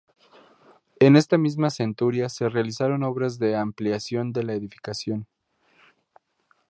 En esta misma centuria se realizaron obras de ampliación de la edificación.